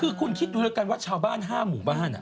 แล้ววิญญาณออกมาจากคนนั้น